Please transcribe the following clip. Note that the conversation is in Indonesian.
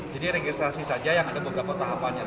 jadi registrasi saja yang ada beberapa tahapannya